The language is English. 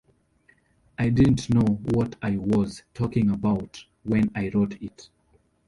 I didn't know what I was talking about when I wrote it.